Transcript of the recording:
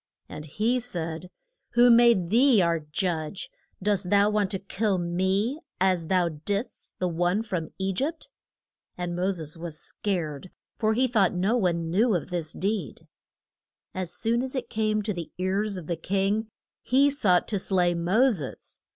And he said, Who made thee our judge? Dost thou want to kill me, as thou didst the one from E gypt? And Mo ses was scared, for he thought no one knew of this deed. As soon as it came to the ears of the king, he sought to slay Mo ses.